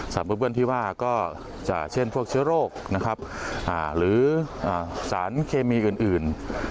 สารปนเปื้อนที่ว่าเช่นพวกเชื้อโรคหรือสารเคมีอื่น